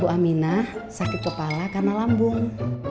aminah sakit kepala karena lambung